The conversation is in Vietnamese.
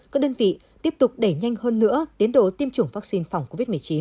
các đơn vị tiếp tục đẩy nhanh hơn nữa tiến độ tiêm chủng vaccine phòng covid một mươi chín